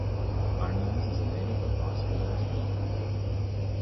Arnaz is a native of Los Angeles, California.